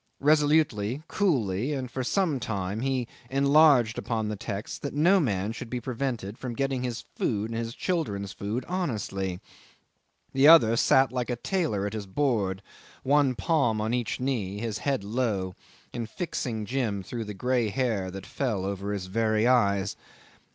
Resolutely, coolly, and for some time he enlarged upon the text that no man should be prevented from getting his food and his children's food honestly. The other sat like a tailor at his board, one palm on each knee, his head low, and fixing Jim through the grey hair that fell over his very eyes.